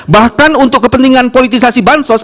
bahkan untuk kepentingan politisasi ban sos